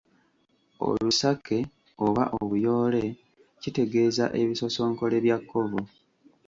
Olusake oba obuyoole bitegeeza bisosonkole bya kkovu.